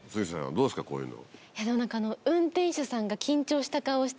どうですかこういうの。